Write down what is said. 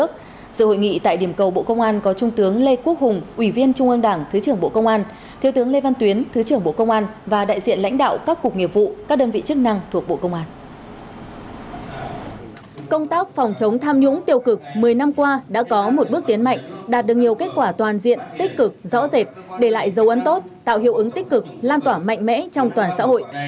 công tác phòng chống tham nhũng tiêu cực một mươi năm qua đã có một bước tiến mạnh đạt được nhiều kết quả toàn diện tích cực rõ rệt để lại dấu ấn tốt tạo hiệu ứng tích cực lan tỏa mạnh mẽ trong toàn xã hội